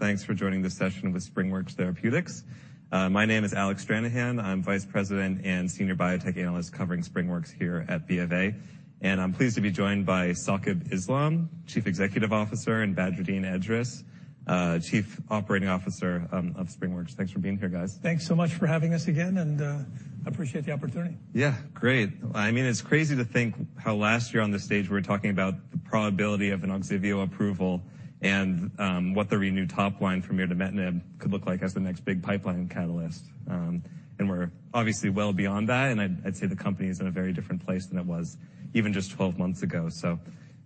Thanks for joining this session with SpringWorks Therapeutics. My name is Alec Stranahan. I'm Vice President and Senior Biotech Analyst covering SpringWorks here at BofA, and I'm pleased to be joined by Saqib Islam, Chief Executive Officer, and Badreddin Edris, Chief Operating Officer, of SpringWorks. Thanks for being here, guys. Thanks so much for having us again, and appreciate the opportunity. Yeah, great. I mean, it's crazy to think how last year on this stage, we were talking about the probability of an OGSIVEO approval and what the ReNeu top line from mirdametinib could look like as the next big pipeline catalyst. And we're obviously well beyond that, and I'd say the company is in a very different place than it was even just 12 months ago. So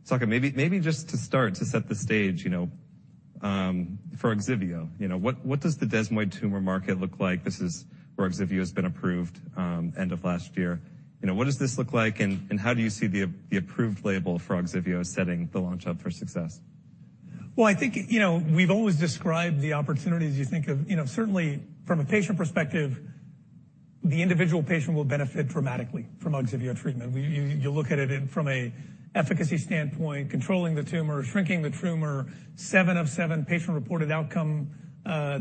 Saqib, maybe just to start, to set the stage, you know, for OGSIVEO, you know, what does the desmoid tumor market look like? This is where OGSIVEO has been approved end of last year. You know, what does this look like, and how do you see the approved label for OGSIVEO setting the launch up for success? Well, I think, you know, we've always described the opportunity, as you think of... You know, certainly from a patient perspective, the individual patient will benefit dramatically from OGSIVEO treatment. You know, you look at it from an efficacy standpoint, controlling the tumor, shrinking the tumor, seven of seven patient-reported outcome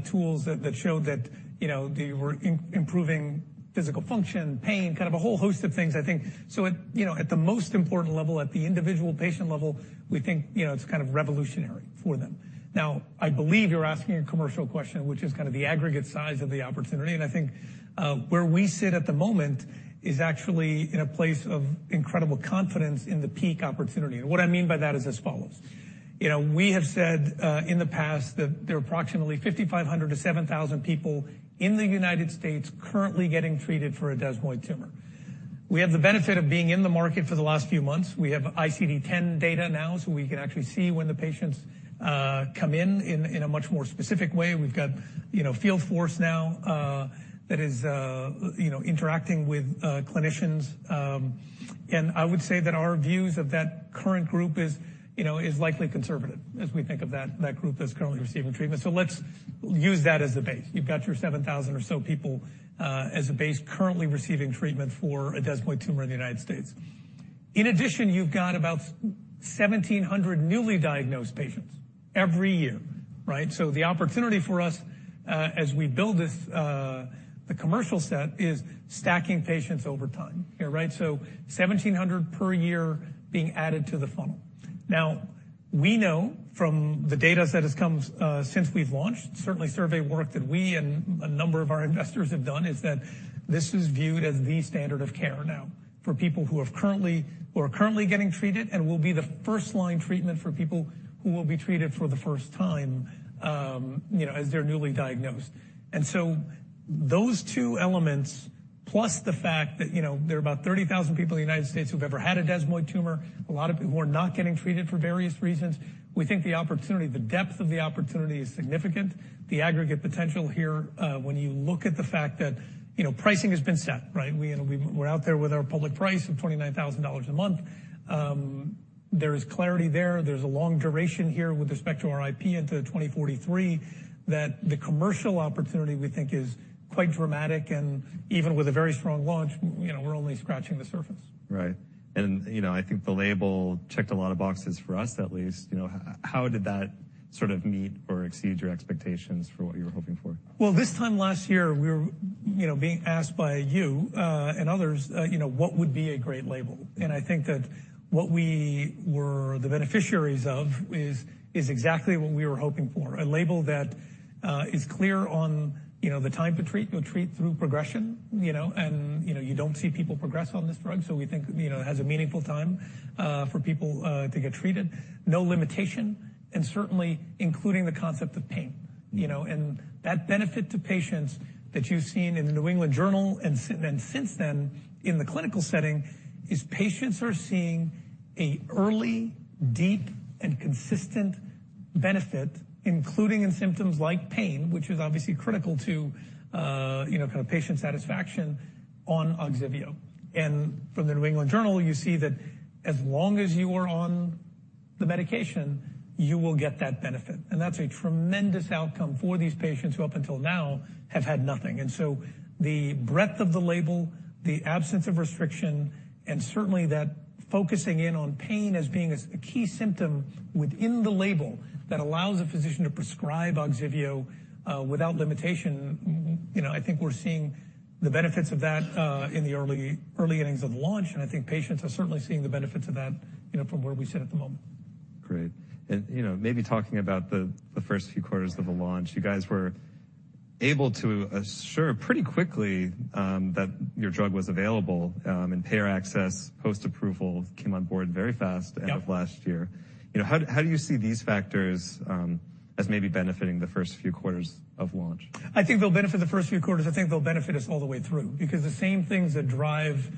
tools that showed that, you know, they were improving physical function, pain, kind of a whole host of things, I think. So at, you know, at the most important level, at the individual patient level, we think, you know, it's kind of revolutionary for them. Now, I believe you're asking a commercial question, which is kind of the aggregate size of the opportunity, and I think, where we sit at the moment is actually in a place of incredible confidence in the peak opportunity. And what I mean by that is as follows: you know, we have said, in the past that there are approximately 5,500-7,000 people in the United States currently getting treated for a desmoid tumor. We have the benefit of being in the market for the last few months. We have ICD-10 data now, so we can actually see when the patients come in in a much more specific way. We've got, you know, field force now, that is, you know, interacting with clinicians. And I would say that our views of that current group is, you know, likely conservative, as we think of that group that's currently receiving treatment. So let's use that as a base. You've got your 7,000 or so people, as a base currently receiving treatment for a desmoid tumor in the United States. In addition, you've got about 1,700 newly diagnosed patients every year, right? So the opportunity for us, as we build this, the commercial set, is stacking patients over time. Yeah, right? So 1,700 per year being added to the funnel. Now, we know from the data set has come, since we've launched, certainly survey work that we and a number of our investors have done, is that this is viewed as the standard of care now for people who are currently getting treated, and will be the first line treatment for people who will be treated for the first time, you know, as they're newly diagnosed. And so those two elements, plus the fact that, you know, there are about 30,000 people in the United States who've ever had a desmoid tumor, a lot of people who are not getting treated for various reasons, we think the opportunity, the depth of the opportunity is significant. The aggregate potential here, when you look at the fact that, you know, pricing has been set, right? We're out there with our public price of $29,000 a month. There is clarity there. There's a long duration here with respect to our IP into 2043, that the commercial opportunity, we think, is quite dramatic, and even with a very strong launch, you know, we're only scratching the surface. Right. You know, I think the label checked a lot of boxes for us at least. You know, how did that sort of meet or exceed your expectations for what you were hoping for? Well, this time last year, we were, you know, being asked by you and others, you know, what would be a great label? And I think that what we were the beneficiaries of is exactly what we were hoping for, a label that is clear on, you know, the time to treat. You'll treat through progression, you know, and you don't see people progress on this drug, so we think, you know, it has a meaningful time for people to get treated. No limitation, and certainly including the concept of pain. You know, and that benefit to patients that you've seen in the New England Journal and since then, in the clinical setting, is patients are seeing a early, deep, and consistent benefit, including in symptoms like pain, which is obviously critical to, you know, kind of patient satisfaction on OGSIVEO. And from the New England Journal, you see that as long as you are on the medication, you will get that benefit. And that's a tremendous outcome for these patients, who, up until now, have had nothing. And so the breadth of the label, the absence of restriction, and certainly that focusing in on pain as being a key symptom within the label, that allows a physician to prescribe OGSIVEO without limitation, you know, I think we're seeing the benefits of that in the early, early innings of the launch, and I think patients are certainly seeing the benefits of that, you know, from where we sit at the moment. Great. And, you know, maybe talking about the first few quarters of the launch, you guys were able to assure pretty quickly that your drug was available, and payer access, post-approval came on board very fast- Yeah... end of last year. You know, how, how do you see these factors, as maybe benefiting the first few quarters of launch? I think they'll benefit the first few quarters. I think they'll benefit us all the way through, because the same things that drive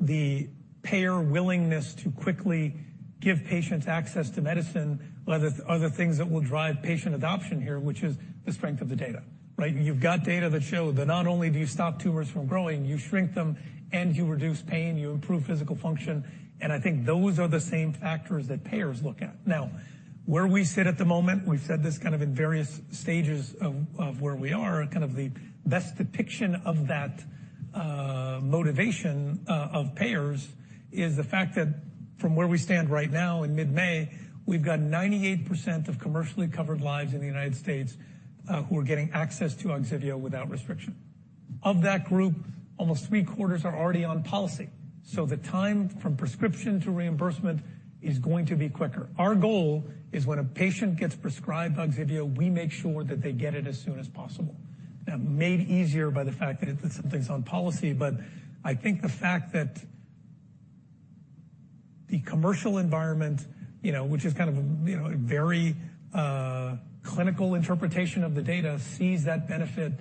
the payer willingness to quickly give patients access to medicine are the things that will drive patient adoption here, which is the strength of the data, right? You've got data that show that not only do you stop tumors from growing, you shrink them, and you reduce pain, you improve physical function, and I think those are the same factors that payers look at. Now, where we sit at the moment, we've said this kind of in various stages of where we are, kind of the best depiction of that motivation of payers is the fact that from where we stand right now in mid-May, we've got 98% of commercially covered lives in the United States who are getting access to OGSIVEO without restriction. Of that group, almost three quarters are already on policy, so the time from prescription to reimbursement is going to be quicker. Our goal is when a patient gets prescribed OGSIVEO, we make sure that they get it as soon as possible. Now, made easier by the fact that it, some things on policy, but I think the fact that the commercial environment, you know, which is kind of, you know, a very, clinical interpretation of the data, sees that benefit,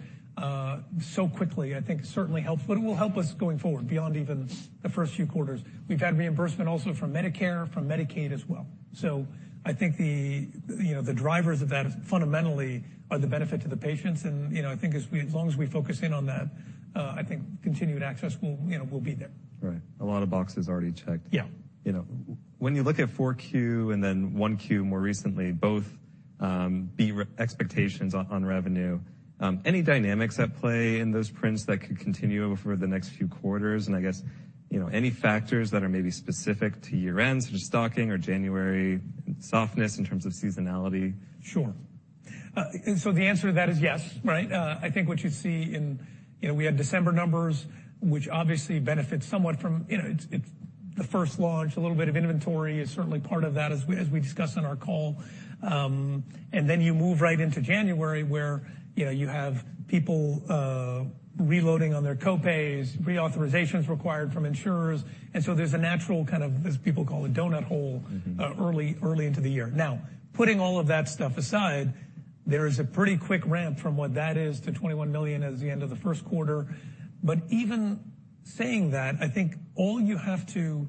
so quickly, I think certainly helps, but it will help us going forward beyond even the first few quarters. We've had reimbursement also from Medicare, from Medicaid as well. So I think the, you know, the drivers of that fundamentally are the benefit to the patients, and, you know, I think as we- as long as we focus in on that, I think continued access will, you know, will be there. Right. A lot of boxes already checked. Yeah. You know, when you look at 4Q and then 1Q more recently, both beat expectations on revenue, any dynamics at play in those prints that could continue over the next few quarters? And I guess, you know, any factors that are maybe specific to year-end, such as stocking or January softness in terms of seasonality? Sure. So the answer to that is yes, right? I think what you see in... You know, we had December numbers, which obviously benefits somewhat from, you know, it's the first launch, a little bit of inventory is certainly part of that, as we discussed on our call. And then you move right into January, where, you know, you have people reloading on their co-pays, reauthorizations required from insurers, and so there's a natural kind of, as people call it, donut hole. Mm-hmm. Early into the year. Now, putting all of that stuff aside, there is a pretty quick ramp from what that is to $21 million at the end of the first quarter. But even saying that, I think all you have to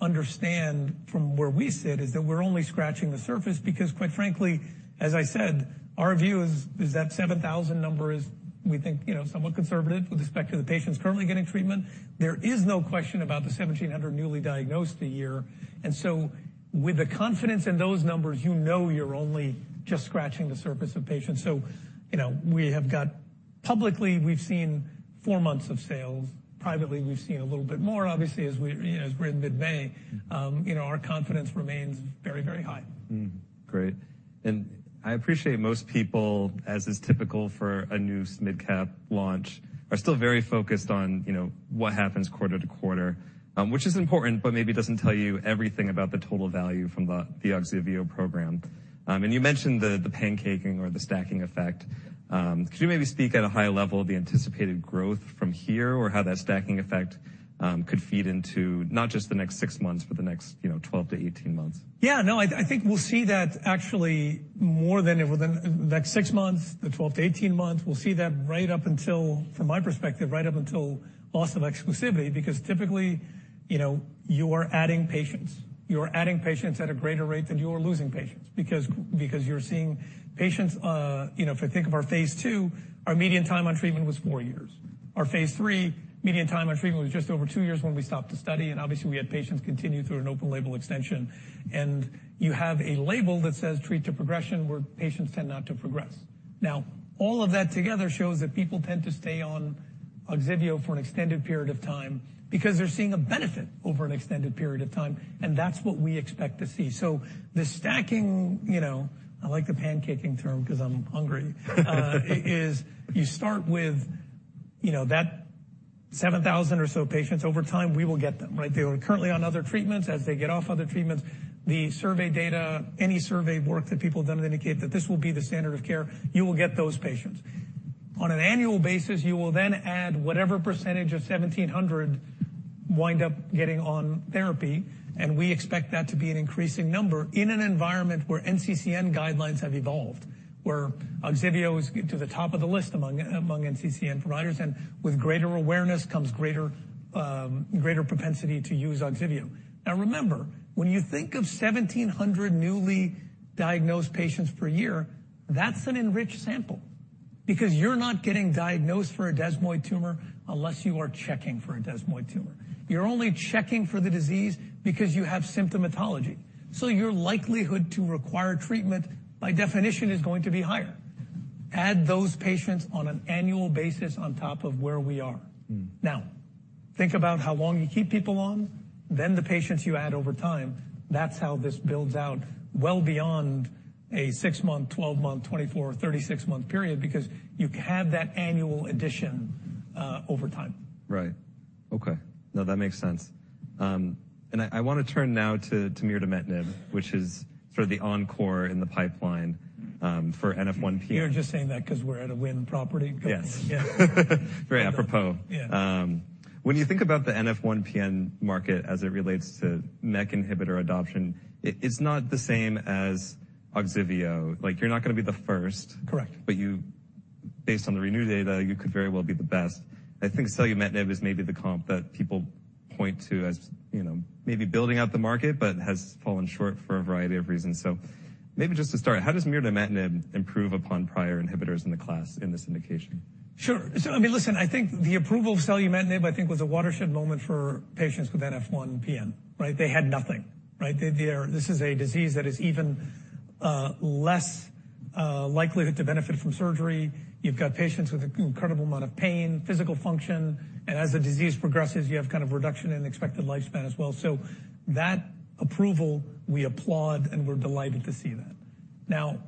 understand from where we sit is that we're only scratching the surface, because quite frankly, as I said, our view is that 7,000 number is, we think, you know, somewhat conservative with respect to the patients currently getting treatment. There is no question about the 1,700 newly diagnosed a year, and so with the confidence in those numbers, you know you're only just scratching the surface of patients. So, you know, we have got publicly we've seen four months of sales. Privately, we've seen a little bit more. Obviously, as we, you know, as we're in mid-May, you know, our confidence remains very, very high. Great. I appreciate most people, as is typical for a new midcap launch, are still very focused on, you know, what happens quarter to quarter, which is important, but maybe doesn't tell you everything about the total value from the OGSIVEO program. And you mentioned the pancaking or the stacking effect. Could you maybe speak at a high level of the anticipated growth from here, or how that stacking effect could feed into not just the next 6 months, but the next, you know, 12 months-18 months? Yeah, no, I, I think we'll see that actually more than within the next 6 months, the 12 months-18 months. We'll see that right up until, from my perspective, right up until loss of exclusivity, because typically, you know, you are adding patients. You are adding patients at a greater rate than you are losing patients because, because you're seeing patients. You know, if I think of our phase II, our median time on treatment was 4 years. Our phase III median time on treatment was just over 2 years when we stopped the study, and obviously, we had patients continue through an open label extension. And you have a label that says, "Treat to progression," where patients tend not to progress. Now, all of that together shows that people tend to stay on OGSIVEO for an extended period of time because they're seeing a benefit over an extended period of time, and that's what we expect to see. So the stacking, you know, I like the pancaking term because I'm hungry, is you start with, you know, that 7,000 or so patients. Over time, we will get them, right? They are currently on other treatments. As they get off other treatments, the survey data, any survey work that people have done to indicate that this will be the standard of care, you will get those patients. On an annual basis, you will then add whatever percentage of 1,700 wind up getting on therapy, and we expect that to be an increasing number in an environment where NCCN guidelines have evolved, where OGSIVEO is to the top of the list among, among NCCN providers, and with greater awareness comes greater, greater propensity to use OGSIVEO. Now, remember, when you think of 1,700 newly diagnosed patients per year, that's an enriched sample because you're not getting diagnosed for a desmoid tumor unless you are checking for a desmoid tumor. You're only checking for the disease because you have symptomatology, so your likelihood to require treatment, by definition, is going to be higher. Add those patients on an annual basis on top of where we are. Mm. Now, think about how long you keep people on, then the patients you add over time. That's how this builds out well beyond a 6-month, 12-month, 24-36-month period, because you have that annual addition over time. Right. Okay. No, that makes sense. And I wanna turn now to mirdametinib, which is sort of the encore in the pipeline, for NF1-PN. You're just saying that because we're at a Wynn property? Yes. Yeah. Very apropos. Yeah. When you think about the NF1-PN market as it relates to MEK inhibitor adoption, it's not the same as OGSIVEO. Like, you're not gonna be the first- Correct. But you, based on the RENEW data, you could very well be the best. I think selumetinib is maybe the comp that people point to as, you know, maybe building out the market, but has fallen short for a variety of reasons. So maybe just to start, how does mirdametinib improve upon prior inhibitors in the class, in this indication? Sure. So, I mean, listen, I think the approval of selumetinib, I think, was a watershed moment for patients with NF1-PN, right? They had nothing, right? They, they are-- This is a disease that is even less likelihood to benefit from surgery. You've got patients with an incredible amount of pain, physical function, and as the disease progresses, you have kind of reduction in expected lifespan as well. So that approval, we applaud, and we're delighted to see that. Now,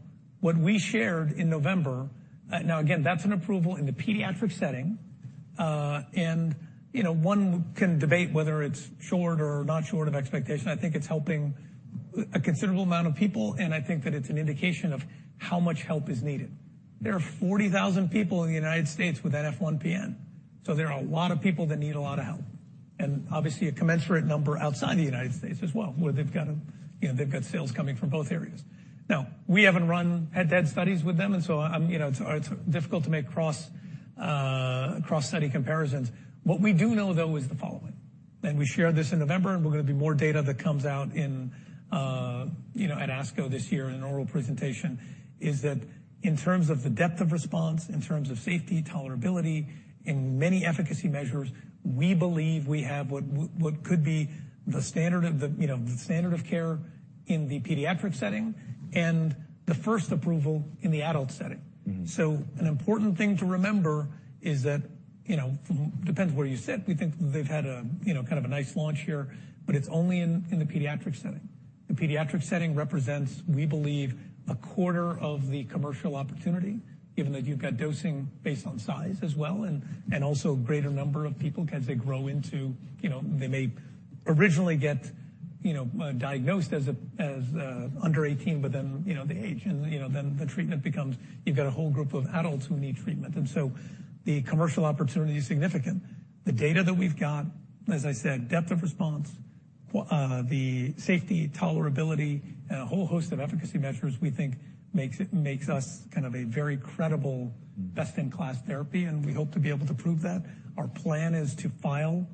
what we shared in November, now again, that's an approval in the pediatric setting. And, you know, one can debate whether it's short or not short of expectation. I think it's helping a considerable amount of people, and I think that it's an indication of how much help is needed. There are 40,000 people in the United States with NF1-PN, so there are a lot of people that need a lot of help, and obviously, a commensurate number outside the United States as well, where they've got a you know, they've got sales coming from both areas. Now, we haven't run head-to-head studies with them, and so, you know, it's, it's difficult to make cross, cross-study comparisons. What we do know, though, is the following, and we shared this in November, and there's going to be more data that comes out in, you know, at ASCO this year in an oral presentation, is that in terms of the depth of response, in terms of safety, tolerability, in many efficacy measures, we believe we have what what could be the standard of the, you know, the standard of care in the pediatric setting and the first approval in the adult setting. Mm-hmm. So an important thing to remember is that, you know, depends on where you sit, we think they've had a, you know, kind of a nice launch here, but it's only in the pediatric setting. The pediatric setting represents, we believe, a quarter of the commercial opportunity, given that you've got dosing based on size as well, and also a greater number of people as they grow into... You know, they may originally get, you know, diagnosed as under eighteen, but then, you know, they age, and, you know, then the treatment becomes, you've got a whole group of adults who need treatment. And so the commercial opportunity is significant. The data that we've got, as I said, depth of response, the safety, tolerability, and a whole host of efficacy measures, we think makes us kind of a very credible, best-in-class therapy, and we hope to be able to prove that. Our plan is to file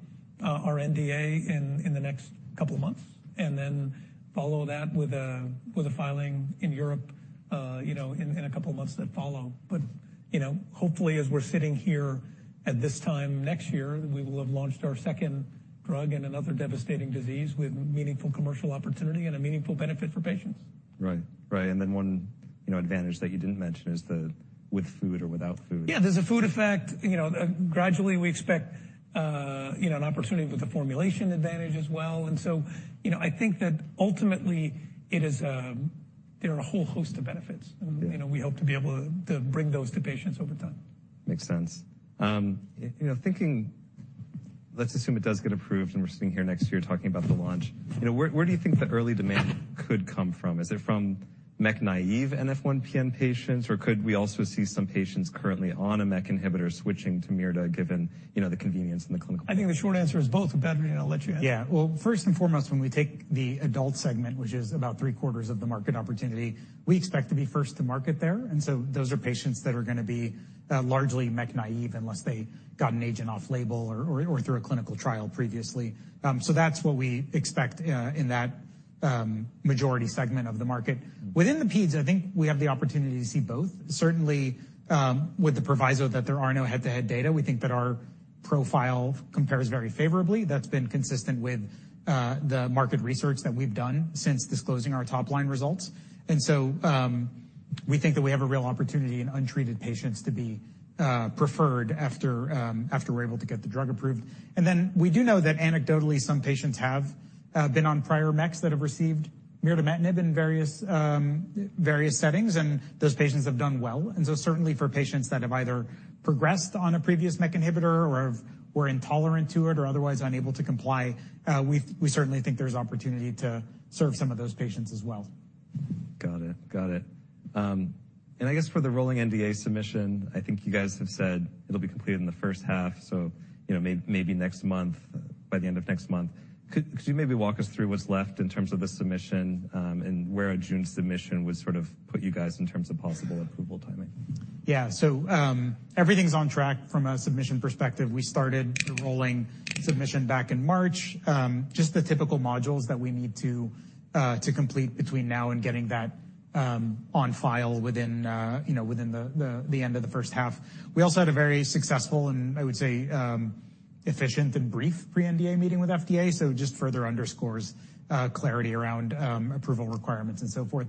our NDA in the next couple of months, and then follow that with a filing in Europe, you know, in a couple of months that follow. But, you know, hopefully, as we're sitting here at this time next year, we will have launched our second drug in another devastating disease with meaningful commercial opportunity and a meaningful benefit for patients. Right. Right, and then one, you know, advantage that you didn't mention is the with food or without food. Yeah, there's a food effect. You know, gradually, we expect, you know, an opportunity with a formulation advantage as well. And so, you know, I think that ultimately it is, there are a whole host of benefits. Yeah. You know, we hope to be able to, to bring those to patients over time. Makes sense. You know, thinking, let's assume it does get approved, and we're sitting here next year talking about the launch. You know, where, where do you think the early demand could come from? Is it from MEK-naive NF1-PN patients, or could we also see some patients currently on a MEK inhibitor switching to mirdametinib, given, you know, the convenience and the clinical- I think the short answer is both. Badreddin, I'll let you add. Yeah. Well, first and foremost, when we take the adult segment, which is about three-quarters of the market opportunity, we expect to be first to market there, and so those are patients that are gonna be largely MEK naive unless they got an agent off-label or through a clinical trial previously. So that's what we expect in that majority segment of the market. Within the peds, I think we have the opportunity to see both. Certainly, with the proviso that there are no head-to-head data, we think that our profile compares very favorably. That's been consistent with the market research that we've done since disclosing our top-line results. And so, we think that we have a real opportunity in untreated patients to be preferred after we're able to get the drug approved. Then we do know that anecdotally, some patients have been on prior MEKs that have received mirdametinib in various settings, and those patients have done well. So certainly for patients that have either progressed on a previous MEK inhibitor or were intolerant to it or otherwise unable to comply, we certainly think there's opportunity to serve some of those patients as well. Got it. Got it. And I guess for the rolling NDA submission, I think you guys have said it'll be completed in the first half, so, you know, maybe next month, by the end of next month. Could you maybe walk us through what's left in terms of the submission, and where a June submission would sort of put you guys in terms of possible approval timing? Yeah, so, everything's on track from a submission perspective. We started the rolling submission back in March. Just the typical modules that we need to to complete between now and getting that, on file within, you know, within the, the, the end of the first half. We also had a very successful, and I would say, efficient and brief pre-NDA meeting with FDA, so just further underscores, clarity around, approval requirements and so forth.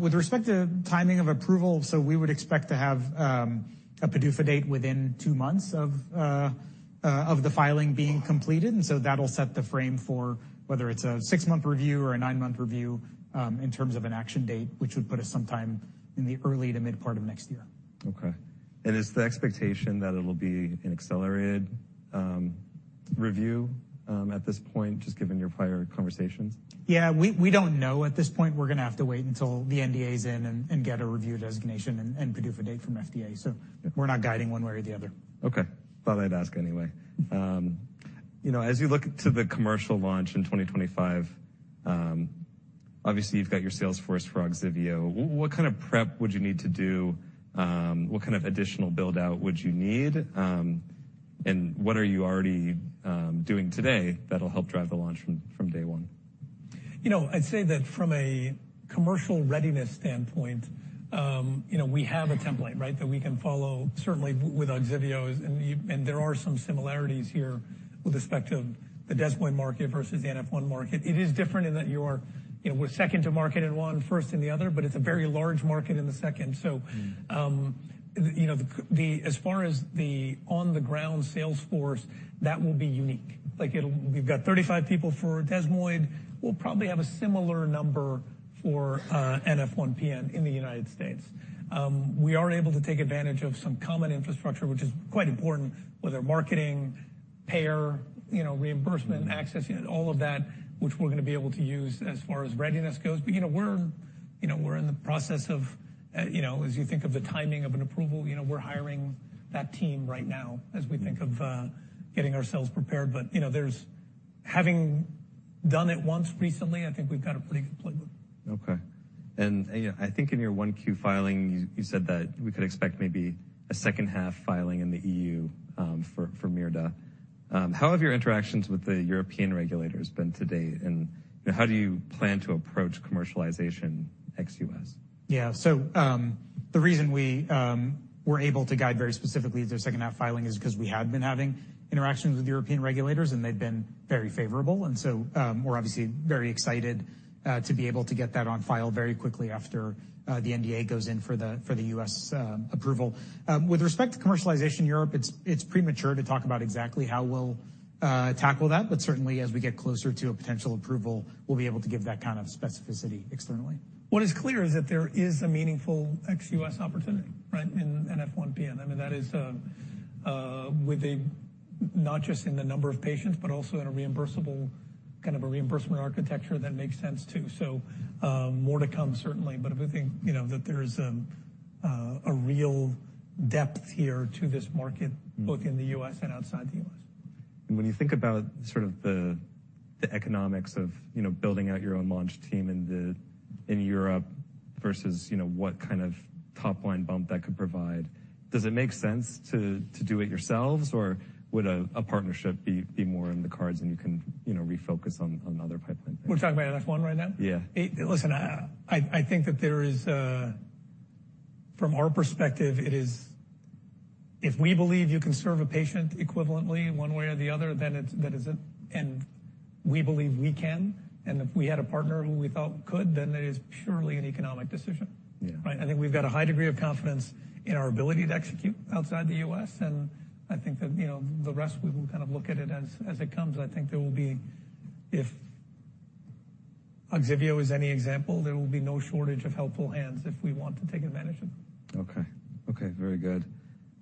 With respect to timing of approval, so we would expect to have, a PDUFA date within 2 months of, of the filing being completed, and so that'll set the frame for whether it's a 6-month review or a 9-month review, in terms of an action date, which would put us sometime in the early to mid part of next year. Okay. And it's the expectation that it'll be an accelerated review at this point, just given your prior conversations? Yeah, we don't know at this point. We're gonna have to wait until the NDA is in and get a review designation and PDUFA date from FDA. So we're not guiding one way or the other. Okay. Thought I'd ask anyway. You know, as you look to the commercial launch in 2025, obviously, you've got your sales force for OGSIVEO. What kind of prep would you need to do? What kind of additional build-out would you need? And what are you already doing today that'll help drive the launch from day one? You know, I'd say that from a commercial readiness standpoint, you know, we have a template, right, that we can follow, certainly with OGSIVEO, and there are some similarities here with respect to the desmoid market versus the NF1 market. It is different in that you're, you know, we're second to market in one, first in the other, but it's a very large market in the second. Mm-hmm. So, you know, as far as the on-the-ground sales force, that will be unique. Like, it'll, we've got 35 people for desmoid. We'll probably have a similar number for NF1-PN in the United States. We are able to take advantage of some common infrastructure, which is quite important, whether marketing, payer, you know, reimbursement, access, you know, all of that, which we're going to be able to use as far as readiness goes. But, you know, we're, you know, we're in the process of, you know, as you think of the timing of an approval, you know, we're hiring that team right now as we think of, getting ourselves prepared. But, you know, having done it once recently, I think we've got a pretty good playbook. Okay. And, yeah, I think in your 1Q filing, you, you said that we could expect maybe a second half filing in the EU, for, for mirdametinib. How have your interactions with the European regulators been to date, and how do you plan to approach commercialization ex-US? Yeah. So, the reason we were able to guide very specifically the second half filing is because we had been having interactions with European regulators, and they've been very favorable. And so, we're obviously very excited to be able to get that on file very quickly after the NDA goes in for the, for the U.S. approval. With respect to commercialization in Europe, it's, it's premature to talk about exactly how we'll tackle that, but certainly, as we get closer to a potential approval, we'll be able to give that kind of specificity externally. What is clear is that there is a meaningful ex-U.S. opportunity, right, in NF1-PN. I mean, that is, not just in the number of patients, but also in a reimbursable, kind of a reimbursement architecture that makes sense, too. So, more to come, certainly, but we think, you know, that there is, a real depth here to this market, both in the U.S. and outside the U.S. When you think about sort of the economics of, you know, building out your own launch team in Europe versus, you know, what kind of top-line bump that could provide, does it make sense to do it yourselves, or would a partnership be more in the cards and you can, you know, refocus on other pipeline? We're talking about NF1 right now? Yeah. Listen, I think that there is. From our perspective, it is. If we believe you can serve a patient equivalently one way or the other, then it's, that is it, and we believe we can, and if we had a partner who we thought could, then it is purely an economic decision. Yeah. Right? I think we've got a high degree of confidence in our ability to execute outside the U.S., and I think that, you know, the rest, we will kind of look at it as, as it comes. I think there will be, if OGSIVEO is any example, there will be no shortage of helpful hands if we want to take advantage of it. Okay. Okay, very good.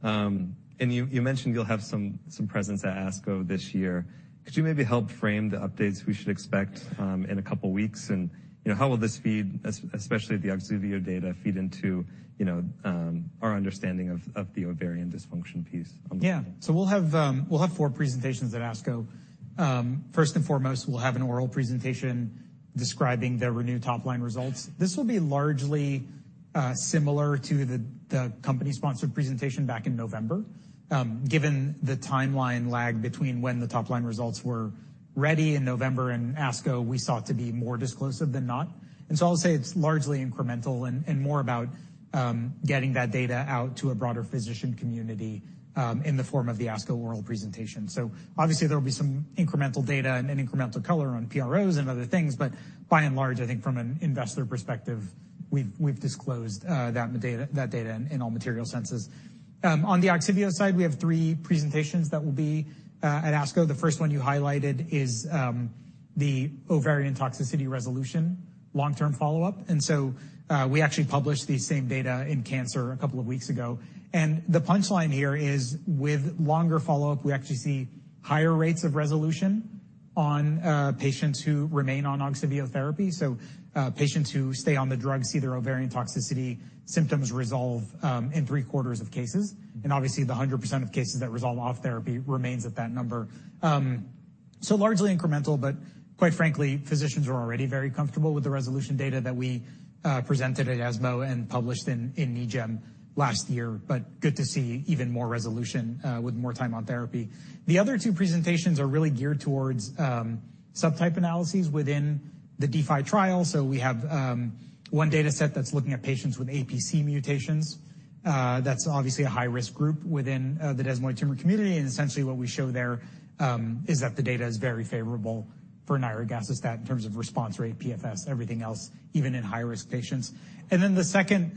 And you, you mentioned you'll have some, some presence at ASCO this year. Could you maybe help frame the updates we should expect in a couple of weeks? And, you know, how will this feed, especially the OGSIVEO data, feed into, you know, our understanding of the ovarian dysfunction piece? Yeah. So we'll have four presentations at ASCO. First and foremost, we'll have an oral presentation describing the ReNeu top-line results. This will be largely similar to the company-sponsored presentation back in November. Given the timeline lag between when the top-line results were ready in November and ASCO, we sought to be more disclosive than not. And so I'll say it's largely incremental and more about getting that data out to a broader physician community in the form of the ASCO oral presentation. So obviously, there will be some incremental data and incremental color on PROs and other things, but by and large, I think from an investor perspective, we've disclosed that data in all material senses. On the OGSIVEO side, we have three presentations that will be at ASCO. The first one you highlighted is, the ovarian toxicity resolution long-term follow-up. And so, we actually published the same data in Cancer a couple of weeks ago. And the punchline here is, with longer follow-up, we actually see higher rates of resolution on, patients who remain on OGSIVEO therapy. So, patients who stay on the drug see their ovarian toxicity symptoms resolve, in three-quarters of cases. And obviously, the 100% of cases that resolve off therapy remains at that number. So largely incremental, but quite frankly, physicians are already very comfortable with the resolution data that we, presented at ESMO and published in NEJM last year, but good to see even more resolution, with more time on therapy. The other two presentations are really geared towards, subtype analyses within the DeFi trial. So we have one dataset that's looking at patients with APC mutations. That's obviously a high-risk group within the desmoid tumor community, and essentially what we show there is that the data is very favorable for nirogacestat in terms of response rate, PFS, everything else, even in high-risk patients. And then the second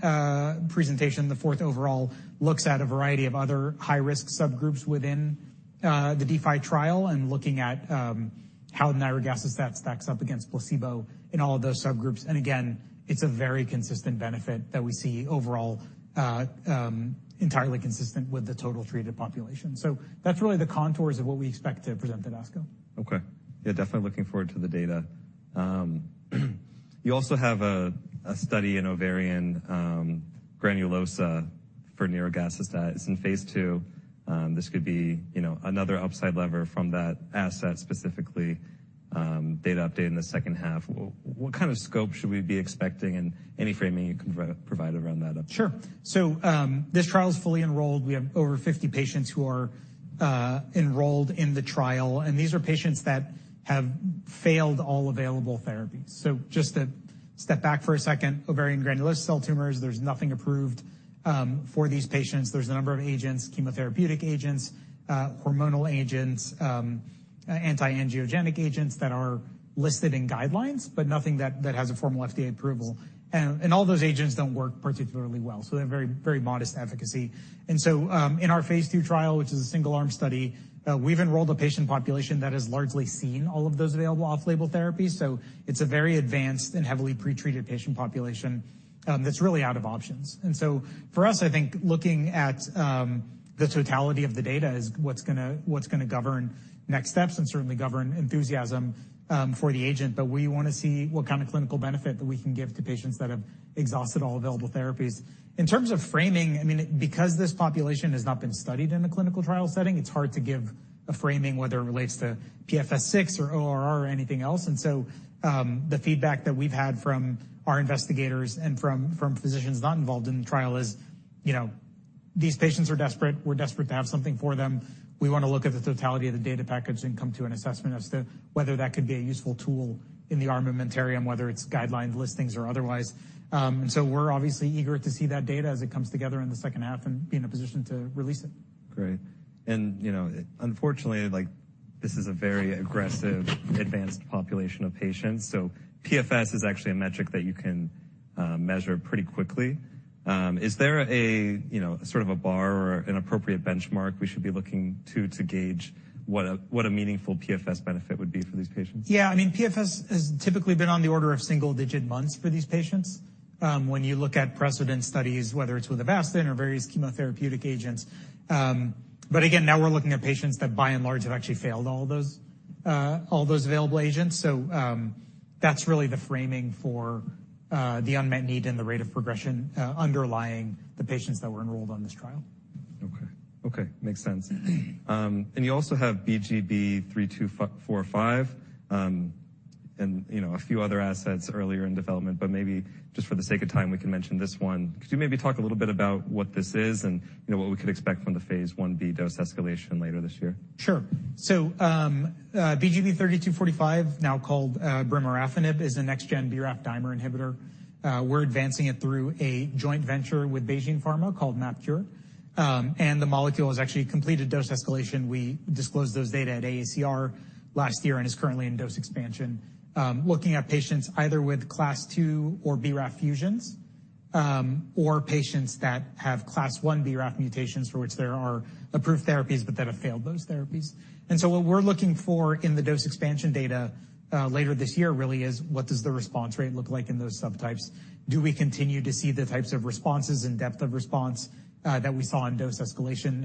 presentation, the fourth overall, looks at a variety of other high-risk subgroups within the DeFi trial and looking at how nirogacestat stacks up against placebo in all of those subgroups. And again, it's a very consistent benefit that we see overall, entirely consistent with the total treated population. So that's really the contours of what we expect to present at ASCO. Okay. Yeah, definitely looking forward to the data. You also have a study in ovarian granulosa for nirogacestat. It's in phase II. This could be, you know, another upside lever from that asset, specifically, data update in the second half. What kind of scope should we be expecting, and any framing you can provide around that up? Sure. So, this trial is fully enrolled. We have over 50 patients who are enrolled in the trial, and these are patients that have failed all available therapies. Step back for a second. Ovarian granulosa cell tumors, there's nothing approved for these patients. There's a number of agents, chemotherapeutic agents, hormonal agents, anti-angiogenic agents that are listed in guidelines, but nothing that has a formal FDA approval. And all those agents don't work particularly well, so they have very, very modest efficacy. And so, in our phase II trial, which is a single-arm study, we've enrolled a patient population that has largely seen all of those available off-label therapies. So it's a very advanced and heavily pretreated patient population, that's really out of options. And so for us, I think looking at the totality of the data is what's gonna govern next steps and certainly govern enthusiasm for the agent. But we want to see what kind of clinical benefit that we can give to patients that have exhausted all available therapies. In terms of framing, I mean, because this population has not been studied in a clinical trial setting, it's hard to give a framing, whether it relates to PFS6 or ORR or anything else. And so the feedback that we've had from our investigators and from physicians not involved in the trial is, you know, these patients are desperate. We're desperate to have something for them. We want to look at the totality of the data package and come to an assessment as to whether that could be a useful tool in the armamentarium, whether it's guideline listings or otherwise. And so we're obviously eager to see that data as it comes together in the second half and be in a position to release it. Great. And, you know, unfortunately, like, this is a very aggressive, advanced population of patients, so PFS is actually a metric that you can measure pretty quickly. Is there a, you know, sort of a bar or an appropriate benchmark we should be looking to, to gauge what a, what a meaningful PFS benefit would be for these patients? Yeah, I mean, PFS has typically been on the order of single digit months for these patients. When you look at precedent studies, whether it's with Avastin or various chemotherapeutic agents, but again, now we're looking at patients that, by and large, have actually failed all those available agents. So, that's really the framing for the unmet need and the rate of progression underlying the patients that were enrolled on this trial. Okay. Okay, makes sense. And you also have BGB-3245, and, you know, a few other assets earlier in development, but maybe just for the sake of time, we can mention this one. Could you maybe talk a little bit about what this is and, you know, what we could expect from the phase Ib dose escalation later this year? Sure. So, BGB-3245, now called brimarafinib, is a next gen BRAF dimer inhibitor. We're advancing it through a joint venture with BeiGene called MapKure. And the molecule has actually completed dose escalation. We disclosed those data at AACR last year and is currently in dose expansion, looking at patients either with Class II or BRAF fusions, or patients that have Class I BRAF mutations for which there are approved therapies, but that have failed those therapies. And so what we're looking for in the dose expansion data, later this year, really is what does the response rate look like in those subtypes? Do we continue to see the types of responses and depth of response, that we saw in dose escalation,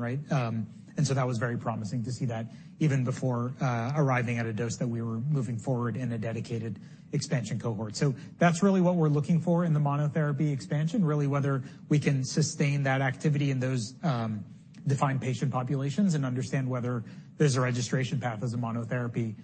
right? And so that was very promising to see that even before arriving at a dose that we were moving forward in a dedicated expansion cohort. So that's really what we're looking for in the monotherapy expansion, really, whether we can sustain that activity in those defined patient populations and understand whether there's a registration path as a monotherapy,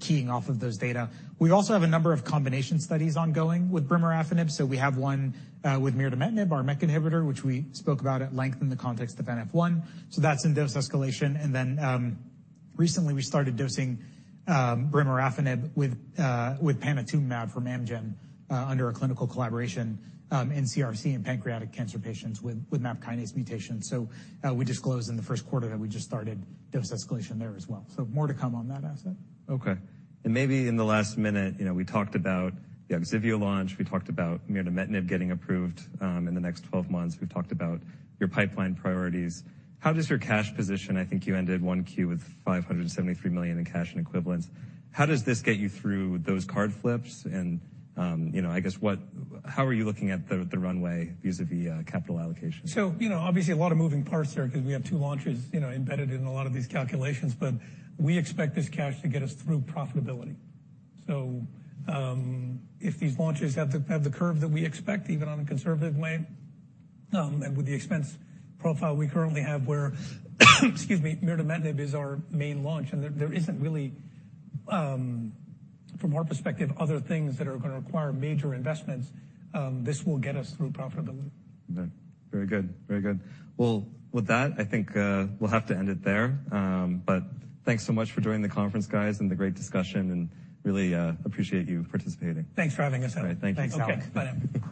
keying off of those data. We also have a number of combination studies ongoing with brimarafinib, so we have one with mirdametinib, our MEK inhibitor, which we spoke about at length in the context of NF1. So that's in dose escalation. And then recently we started dosing brimarafinib with with panitumumab from Amgen under a clinical collaboration in CRC, in pancreatic cancer patients with with MAP kinase mutation. We disclosed in the first quarter that we just started dose escalation there as well. More to come on that asset. Okay. Maybe in the last minute, you know, we talked about the OGSIVEO launch, we talked about mirdametinib getting approved in the next 12 months. We've talked about your pipeline priorities. How does your cash position... I think you ended Q1 with $573 million in cash and equivalents. How does this get you through those card flips? And you know, I guess, how are you looking at the runway vis-à-vis capital allocation? So, you know, obviously a lot of moving parts there because we have two launches, you know, embedded in a lot of these calculations. But we expect this cash to get us through profitability. So, if these launches have the, have the curve that we expect, even on a conservative way, and with the expense profile we currently have, where, excuse me, mirdametinib is our main launch, and there, there isn't really, from our perspective, other things that are gonna require major investments, this will get us through profitability. Okay. Very good. Very good. Well, with that, I think we'll have to end it there. But thanks so much for joining the conference, guys, and the great discussion, and really appreciate you participating. Thanks for having us out. All right. Thank you. Thanks, Alec. Bye now.